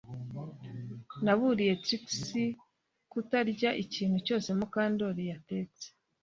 Naburiye Trix kutarya ikintu cyose Mukandoli yatetse